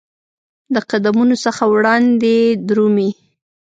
د قدمونو څخه وړاندي درومې